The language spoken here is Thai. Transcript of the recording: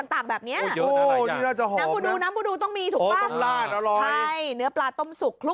ต่างแบบนี้นั้นบุดุต้องมีถูกปะใช่เนื้อปลาต้มสุก